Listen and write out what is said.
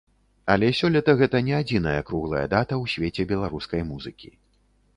Але сёлета гэта не адзіная круглая дата ў свеце беларускай музыкі.